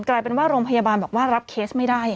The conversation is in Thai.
กลายเป็นว่าโรงพยาบาลบอกว่ารับเคสไม่ได้